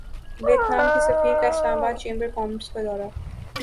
Vietnam کے سفیر کا اسلام باد چیمبر کامرس کا دورہ